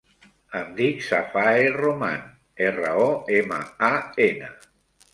Em dic Safae Roman: erra, o, ema, a, ena.